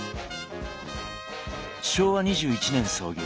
昭和２１年創業。